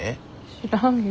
知らんよ。